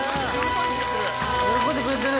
喜んでくれてる。